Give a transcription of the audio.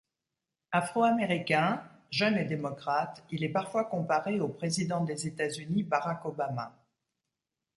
Afro-américain, jeune et démocrate, il est parfois comparé au président des États-Unis Barack Obama.